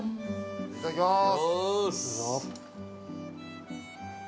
いただきます。